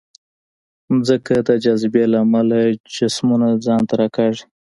ځمکه د جاذبې له امله جسمونه ځان ته راکاږي.